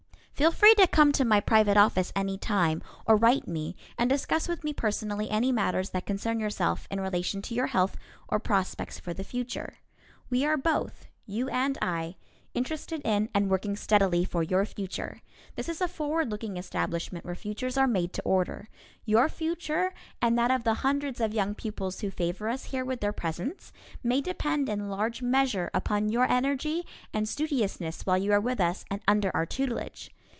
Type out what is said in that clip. Feel free to come to my private office any time, or write me, and discuss with me personally any matters that concern yourself in relation to your health or prospects for the future. We are both, you and I, interested in and working steadily for your future. This is a forward looking establishment where futures are made to order. Your future, and that of the hundreds of young pupils who favor us here with their presence, may depend in large measure upon your energy and studiousness while you are with us and under our tutelage.